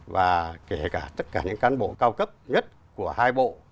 và kể cả tất cả những cán bộ cao cấp nhất của hai bộ